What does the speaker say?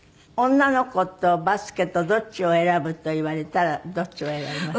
「女の子とバスケとどっちを選ぶ？」と言われたらどっちを選びます？